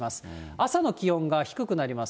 朝の気温が低くなります。